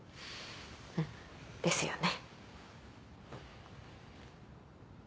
うん。ですよね。